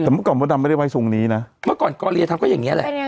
แต่เมื่อก่อนมดดำไม่ได้ไว้ทรงนี้นะเมื่อก่อนกอเลียทำก็อย่างนี้แหละ